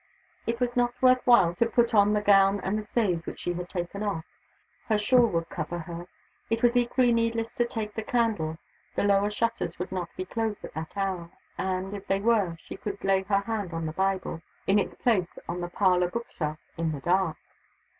It was not worth while to put on the gown and the stays which she had taken off. Her shawl would cover her. It was equally needless to take the candle. The lower shutters would not be closed at that hour; and if they were, she could lay her hand on the Bible, in its place on the parlor book shelf, in the dark.